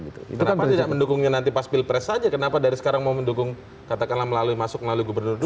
kenapa tidak mendukungnya nanti pas pilpres saja kenapa dari sekarang mau mendukung katakanlah melalui masuk melalui gubernur dulu